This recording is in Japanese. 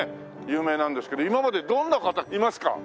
有名なんですけど今までどんな方いますか？